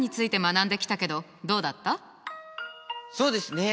そうですね